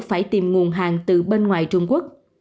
phải tìm nguồn hàng từ bên ngoài trung quốc